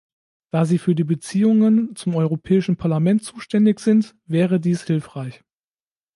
Da Sie für die Beziehungen zum Europäischen Parlament zuständig sind, wäre dies hilfreich.